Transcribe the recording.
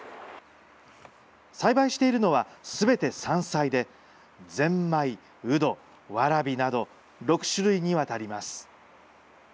栽培しているのは、すべて山菜で、ゼンマイ、ウド、ワラビなど６種類にわたります。